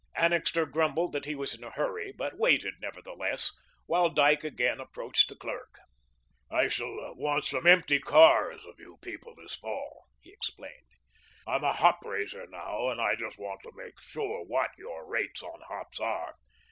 Annixter grumbled that he was in a hurry, but waited, nevertheless, while Dyke again approached the clerk. "I shall want some empty cars of you people this fall," he explained. "I'm a hop raiser now, and I just want to make sure what your rates on hops are.